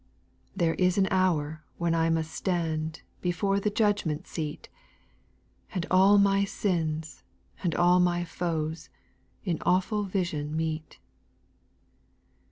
8. There is an hour when I must stand Before the judgment seat ; And all my sins, and all my foes. In awful vision meet.